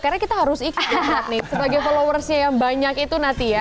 karena kita harus ikut banget nih sebagai followersnya yang banyak itu natia